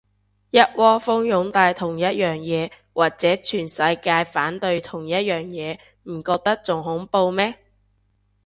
一窩蜂擁戴同一樣嘢，或者全世界反對同一樣嘢，唔覺得仲恐怖咩